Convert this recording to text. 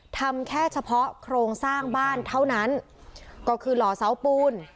ทำแค่เฉพาะโครงสร้างบ้านเท่านั้นก็คือหล่อเสาปูน